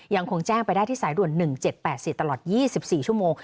ยังคงแจ้งไปได้ที่สายด่วน๑๗๘๔ตลอด๒๔ชั่วโมง